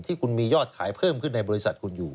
ที่คุณมียอดขายเพิ่มขึ้นในบริษัทคุณอยู่